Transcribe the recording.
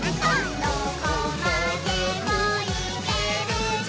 「どこまでもいけるぞ！」